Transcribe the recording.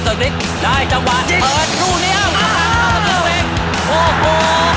โอ้โหโอ้โห